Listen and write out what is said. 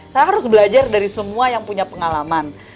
saya harus belajar dari semua yang punya pengalaman